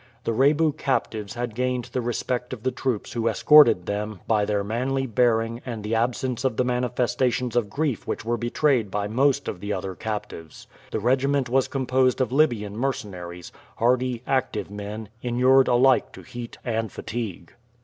The Rebu captives had gained the respect of the troops who escorted them by their manly bearing and the absence of the manifestations of grief which were betrayed by most of the other captives. The regiment was composed of Libyan mercenaries, hardy, active men, inured alike to heat and fatigue.